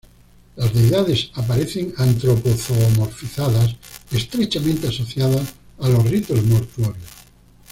Las deidades aparecen antropo-zoomorfizadas y estrechamente asociadas a los ritos mortuorios.